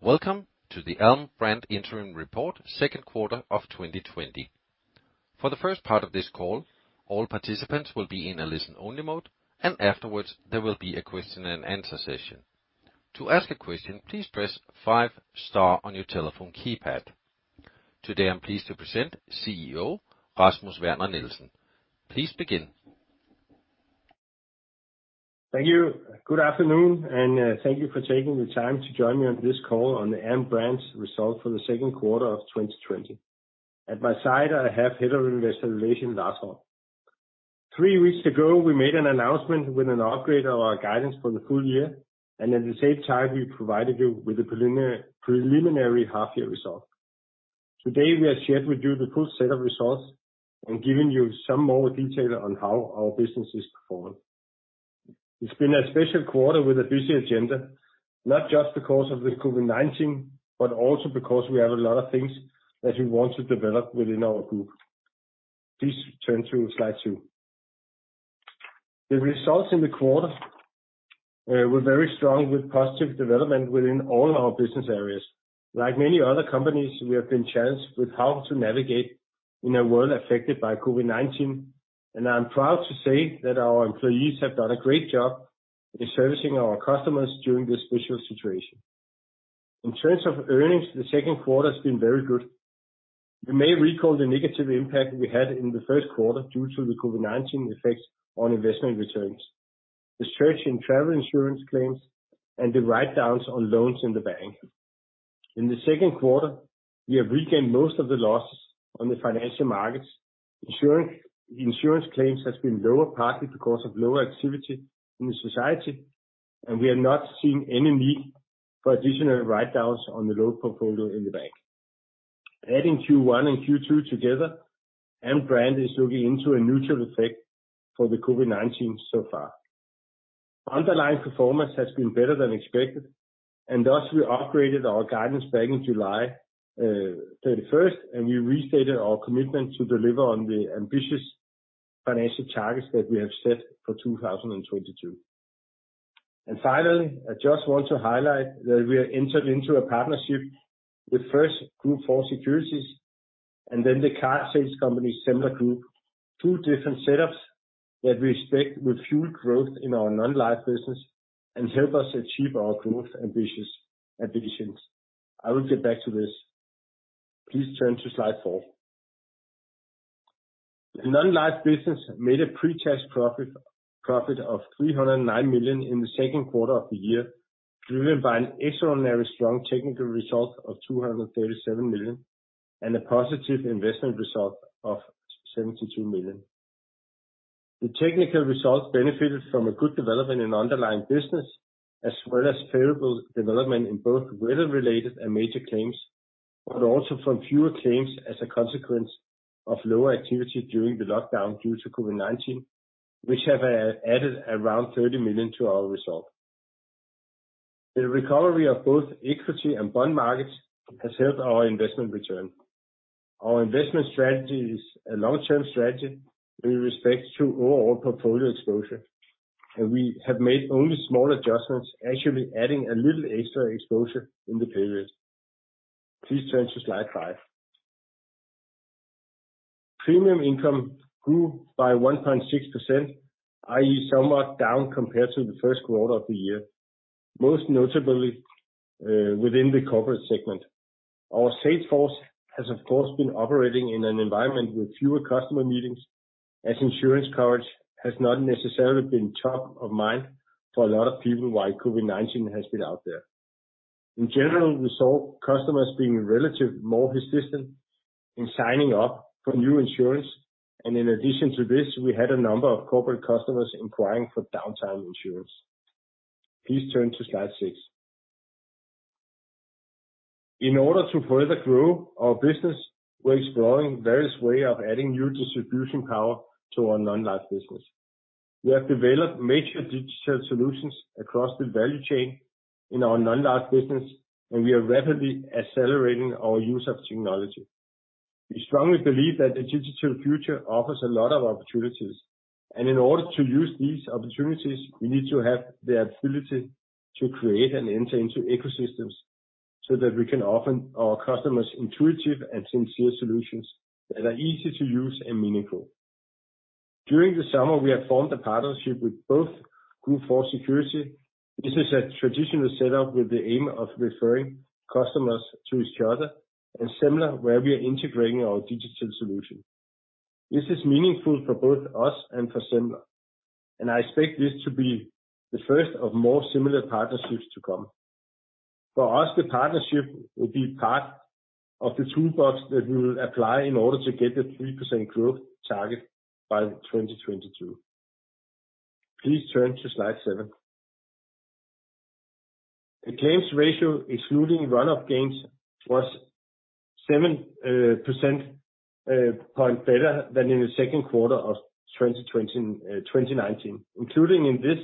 Welcome to the Alm. Brand Interim Report second quarter of 2020. For the first part of this call, all participants will be in a listen only mode, and afterwards there will be a question and answer session. To ask a question, please press five star on your telephone keypad. Today I'm pleased to present CEO Rasmus Werner Nielsen. Please begin. Thank you. Good afternoon, and thank you for taking the time to join me on this call on the Alm. Brand result for the second quarter of 2020. At my side, I have Head of Investor Relations, Lars Holm. Three weeks ago, we made an announcement with an upgrade of our guidance for the full year, and at the same time, we provided you with a preliminary half year result. Today, we have shared with you the full set of results and given you some more detail on how our business is performing. It's been a special quarter with a busy agenda, not just because of the COVID-19, but also because we have a lot of things that we want to develop within our group. Please turn to slide two. The results in the quarter were very strong with positive development within all our business areas. Like many other companies, we have been challenged with how to navigate in a world affected by COVID-19. I'm proud to say that our employees have done a great job in servicing our customers during this special situation. In terms of earnings, the second quarter has been very good. You may recall the negative impact we had in the first quarter due to the COVID-19 effect on investment returns, the surge in travel insurance claims, and the write-downs on loans in the bank. In the second quarter, we have regained most of the losses on the financial markets. Insurance claims has been lower, partly because of lower activity in the society. We have not seen any need for additional write-downs on the loan portfolio in the bank. Adding Q1 and Q2 together, Alm. Brand is looking into a neutral effect for the COVID-19 so far. Underlying performance has been better than expected, thus we upgraded our guidance back in July 31st, we restated our commitment to deliver on the ambitious financial targets that we have set for 2022. Finally, I just want to highlight that we have entered into a partnership with first G4S Secure Solutions and then the car sales company Semler Group, two different setups that we expect will fuel growth in our non-life business and help us achieve our growth ambitions. I will get back to this. Please turn to slide four. The non-life business made a pre-tax profit of 309 million in the second quarter of the year, driven by an extraordinary strong technical result of 237 million and a positive investment result of 72 million. The technical results benefited from a good development in underlying business as well as favorable development in both weather-related and major claims, but also from fewer claims as a consequence of lower activity during the lockdown due to COVID-19, which have added around 30 million to our result. The recovery of both equity and bond markets has helped our investment return. Our investment strategy is a long-term strategy with respect to overall portfolio exposure, and we have made only small adjustments, actually adding a little extra exposure in the period. Please turn to slide five. Premium income grew by 1.6%, i.e., somewhat down compared to the first quarter of the year, most notably within the corporate segment. Our sales force has, of course, been operating in an environment with fewer customer meetings as insurance coverage has not necessarily been top of mind for a lot of people while COVID-19 has been out there. In general, we saw customers being relatively more hesitant in signing up for new insurance. In addition to this, we had a number of corporate customers inquiring for downtime insurance. Please turn to slide six. In order to further grow our business, we're exploring various way of adding new distribution power to our non-life business. We have developed major digital solutions across the value chain in our non-life business, and we are rapidly accelerating our use of technology. We strongly believe that the digital future offers a lot of opportunities, and in order to use these opportunities, we need to have the ability to create and enter into ecosystems, so that we can offer our customers intuitive and sincere solutions that are easy to use and meaningful. During the summer, we have formed a partnership with both G4S Secure Solutions. This is a traditional setup with the aim of referring customers to each other, and Semler, where we are integrating our digital solution. This is meaningful for both us and for Semler, and I expect this to be the first of more similar partnerships to come. For us, the partnership will be part of the toolbox that we will apply in order to get the 3% growth target by 2022. Please turn to slide seven. The claims ratio excluding run-off gains was 7 percentage points better than in the second quarter of 2019. Included in this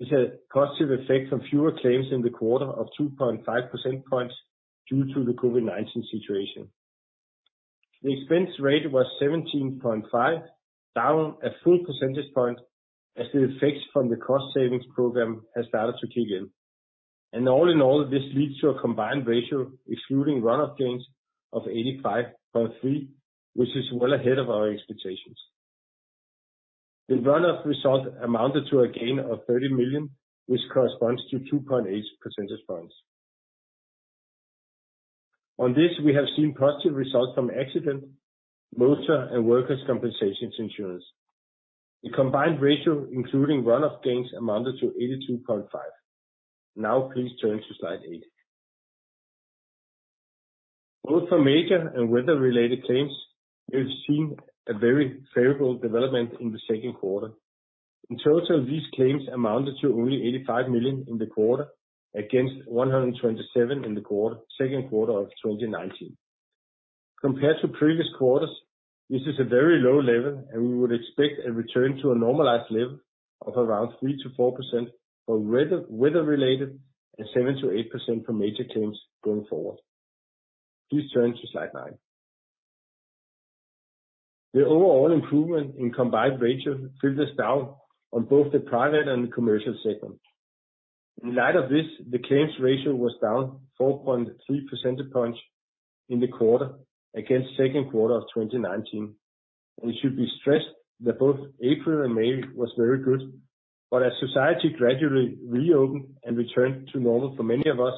is a positive effect from fewer claims in the quarter of 2.5 percentage points due to the COVID-19 situation. The expense rate was 17.5, down a full percentage point as the effects from the cost savings program has started to kick in. All in all, this leads to a combined ratio excluding run-off gains of 85.3, which is well ahead of our expectations. The run-off result amounted to a gain of 30 million, which corresponds to 2.8 percentage points. On this, we have seen positive results from accident, motor, and workers' compensation insurance. The combined ratio including run-off gains amounted to 82.5. Please turn to slide eight. Both for major and weather-related claims, we've seen a very favorable development in the second quarter. In total, these claims amounted to only 85 million in the quarter against 127 in the second quarter of 2019. Compared to previous quarters, this is a very low level. We would expect a return to a normalized level of around 3%-4% for weather-related and 7%-8% for major claims going forward. Please turn to slide nine. The overall improvement in combined ratio filters down on both the private and the commercial segment. In light of this, the claims ratio was down 4.3 percentage points in the quarter against second quarter of 2019. It should be stressed that both April and May was very good, but as society gradually reopened and returned to normal for many of us,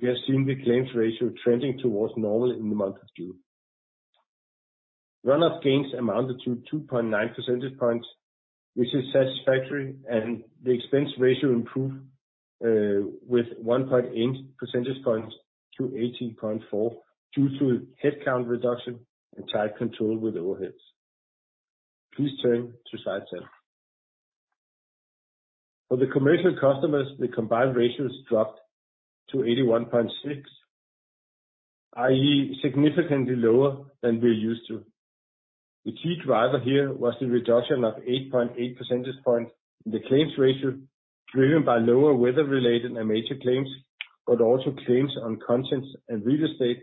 we have seen the claims ratio trending towards normal in the month of June. Run-off gains amounted to 2.9 percentage points, which is satisfactory, and the expense ratio improved with 1.8 percentage points to 18.4 due to headcount reduction and tight control with overheads. Please turn to slide 10. For the commercial customers, the combined ratios dropped to 81.6, i.e., significantly lower than we're used to. The key driver here was the reduction of 8.8 percentage points in the claims ratio driven by lower weather-related and major claims, but also claims on contents and real estate.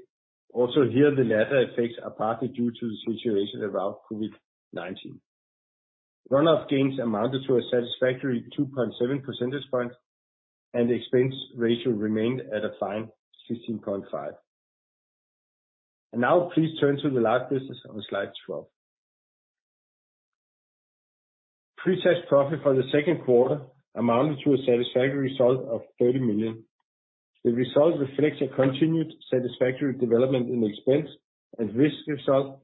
Also here, the latter effects are partly due to the situation around COVID-19. Run-off gains amounted to a satisfactory 2.7 percentage points, and the expense ratio remained at a fine 15.5. Now please turn to the Life business on slide 12. Pre-tax profit for the second quarter amounted to a satisfactory result of 30 million. The result reflects a continued satisfactory development in expense and risk result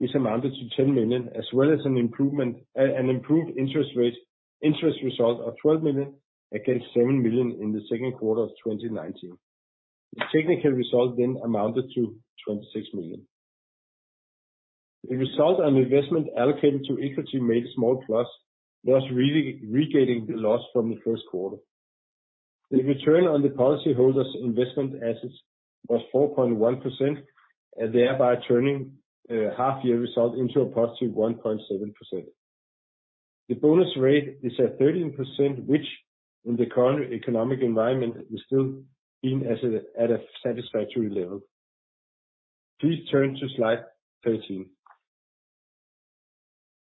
is amounted to 10 million, as well as an improved interest result of 12 million against 7 million in the second quarter of 2019. The technical result amounted to 26 million. The result on investment allocated to equity made a small plus, thus negating the loss from the first quarter. The return on the policy holder's investment assets was 4.1%, thereby turning half year result into a positive 1.7%. The bonus rate is at 13%, which in the current economic environment is still seen at a satisfactory level. Please turn to slide 13.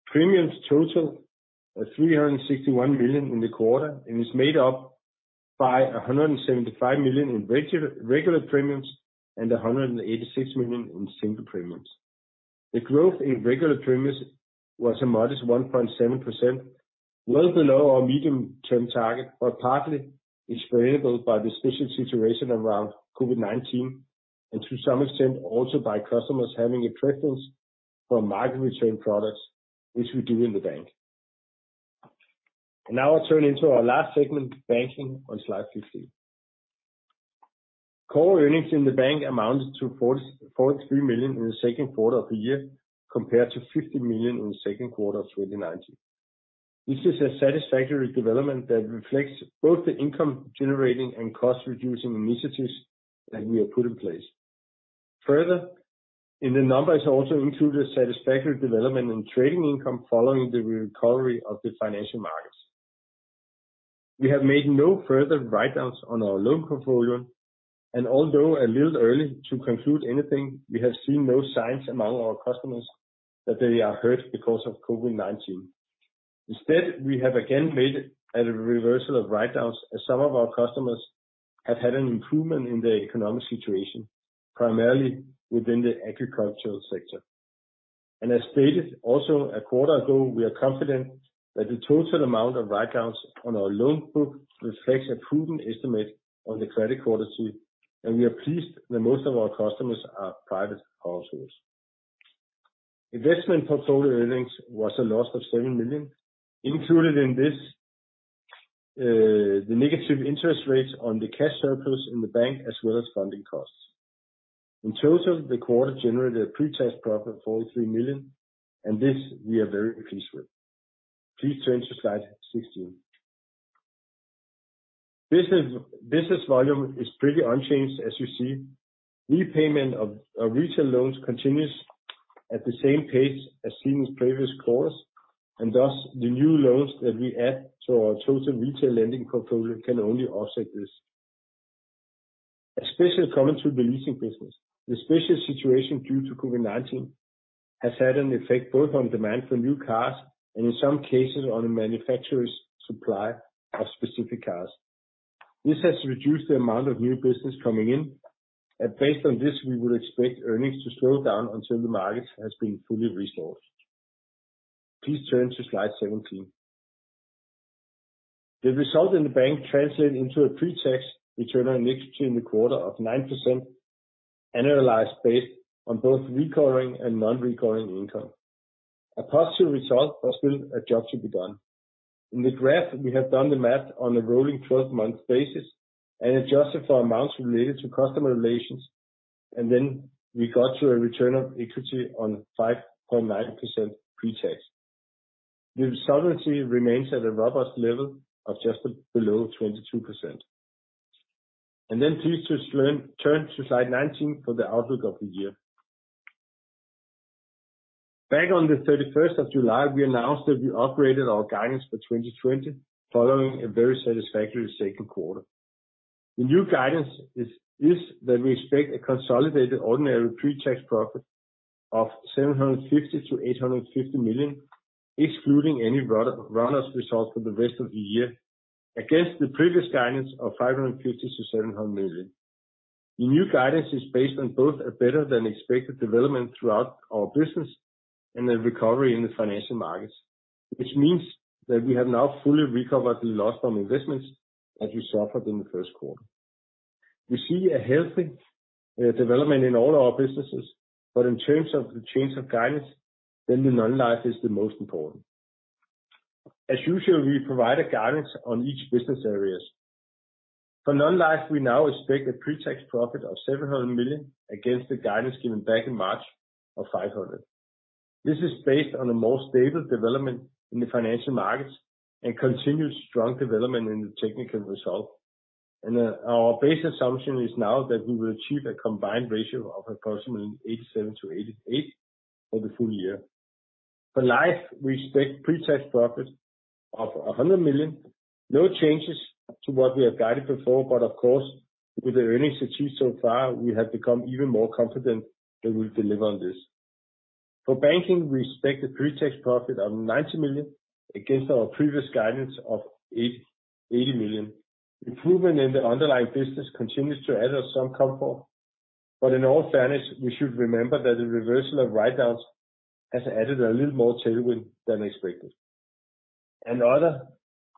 Premiums total at 361 million in the quarter, is made up by 175 million in regular premiums and 186 million in single premiums. The growth in regular premiums was a modest 1.7%, well below our medium-term target, but partly explainable by the special situation around COVID-19 and to some extent also by customers having a preference for market return products, which we do in the bank. Now I turn into our last segment, banking, on slide 15. Core earnings in the bank amounted to 43 million in the second quarter of the year, compared to 50 million in the second quarter of 2019. This is a satisfactory development that reflects both the income-generating and cost-reducing initiatives that we have put in place. Further, in the numbers also included a satisfactory development in trading income following the recovery of the financial markets. We have made no further write-downs on our loan portfolio, and although a little early to conclude anything, we have seen no signs among our customers that they are hurt because of COVID-19. Instead, we have again made a reversal of write-downs as some of our customers have had an improvement in their economic situation, primarily within the agricultural sector. As stated also a quarter ago, we are confident that the total amount of write-downs on our loan book reflects a prudent estimate on the credit quality, and we are pleased that most of our customers are private households. Investment portfolio earnings was a loss of 7 million. Included in this, the negative interest rates on the cash surplus in the bank as well as funding costs. In total, the quarter generated a pre-tax profit of 43 million, and this we are very pleased with. Please turn to slide 16. Business volume is pretty unchanged as you see. Repayment of retail loans continues at the same pace as seen in previous quarters, and thus the new loans that we add to our total retail lending portfolio can only offset this. Especially coming to the leasing business. The special situation due to COVID-19 has had an effect both on demand for new cars and in some cases on a manufacturer's supply of specific cars. This has reduced the amount of new business coming in, and based on this, we would expect earnings to slow down until the market has been fully restored. Please turn to slide 17. The result in the bank translate into a pre-tax return on equity in the quarter of 9%, annualized based on both recurring and non-recurring income. A positive result, but still a job to be done. In the graph, we have done the math on a rolling 12-month basis and adjusted for amounts related to customer relations, and then we got to a return of equity on 5.9% pre-tax. The solvency remains at a robust level of just below 22%. Please turn to slide 19 for the outlook of the year. Back on the 31st of July, we announced that we upgraded our guidance for 2020 following a very satisfactory second quarter. The new guidance is that we expect a consolidated ordinary pre-tax profit of 750 million-850 million, excluding any run-off result for the rest of the year against the previous guidance of 550 million-700 million. The new guidance is based on both a better than expected development throughout our business and a recovery in the financial markets, which means that we have now fully recovered the loss on investments that we suffered in the first quarter. We see a healthy development in all our businesses, but in terms of the change of guidance, then the non-life is the most important. As usual, we provide a guidance on each business areas. For non-life, we now expect a pre-tax profit of 700 million against the guidance given back in March of 500 million. This is based on a more stable development in the financial markets and continued strong development in the technical result. Our base assumption is now that we will achieve a combined ratio of approximately 87%-88% for the full year. For life, we expect pre-tax profit of 100 million. No changes to what we have guided before, of course, with the earnings achieved so far, we have become even more confident that we'll deliver on this. For banking, we expect a pre-tax profit of 90 million against our previous guidance of 80 million. Improvement in the underlying business continues to add us some comfort, in all fairness, we should remember that the reversal of write-downs has added a little more tailwind than expected. Other,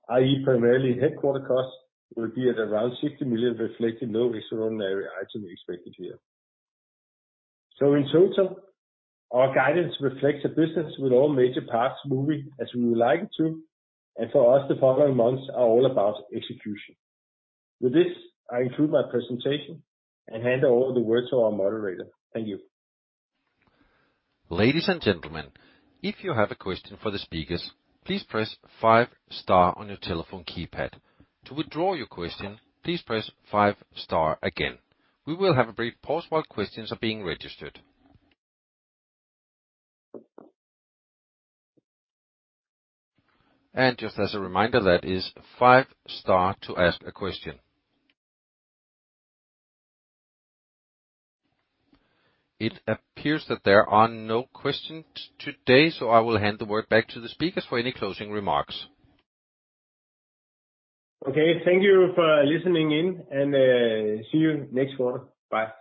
i.e., primarily headquarter costs will be at around 60 million, reflecting no extraordinary item expected here. In total, our guidance reflects a business with all major parts moving as we would like it to, and for us, the following months are all about execution. With this, I conclude my presentation and hand over the words to our moderator. Thank you. Ladies and gentlemen, if you have a question for the speakers, please press five star on your telephone keypad. To withdraw your question, please press five star again. We will have a brief pause while questions are being registered. Just as a reminder, that is five star to ask a question. It appears that there are no questions today, so I will hand the word back to the speakers for any closing remarks. Okay. Thank you for listening in and see you next quarter. Bye